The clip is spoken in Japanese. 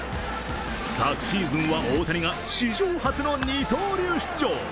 昨シーズンは大谷が史上初の二刀流出場。